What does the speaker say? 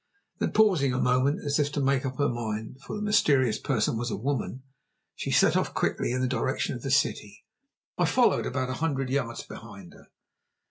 Then, pausing a moment as if to make up her mind, for the mysterious person was a woman, she set off quickly in the direction of the city. I followed about a hundred yards behind her.